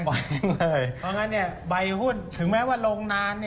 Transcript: เพราะงั้นใบหุ้นถึงแม้ว่าลงนาน